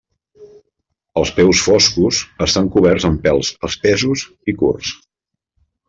Els peus foscos estan coberts amb pèls espessos i curts.